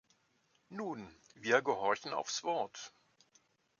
Nun, wir gehorchen aufs Wort.